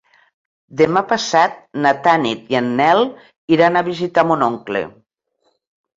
Demà passat na Tanit i en Nel iran a visitar mon oncle.